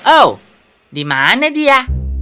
oh di mana dia